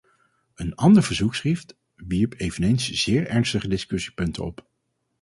Een ander verzoekschrift wierp eveneens zeer ernstige discussiepunten op.